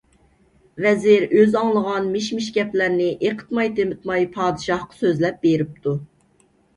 ۋەزىر ئۆزى ئاڭلىغان مىش-مىش گەپلەرنى ئېقىتماي-تېمىتماي پادىشاھقا سۆزلەپ بېرىپتۇ.